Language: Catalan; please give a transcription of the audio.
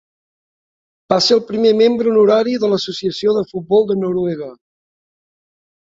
Va ser el primer membre honorari de l'Associació de Futbol de Noruega.